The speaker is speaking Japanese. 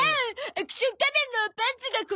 アクション仮面のおパンツがこんにちは！